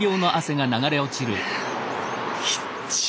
きっちぃ。